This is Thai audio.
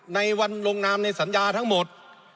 ในวันลงนามในสัญญาทั้งหมด